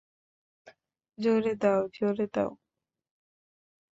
জোরে দাও, জোরে দাও।